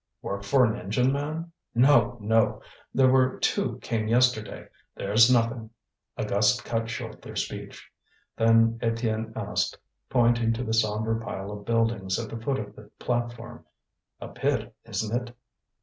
"Work for an engine man? No, no! There were two came yesterday. There's nothing." A gust cut short their speech. Then Étienne asked, pointing to the sombre pile of buildings at the foot of the platform: "A pit, isn't it?"